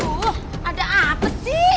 aduh ada apa sih